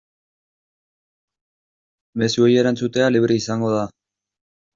Mezuei erantzutea libre izango da.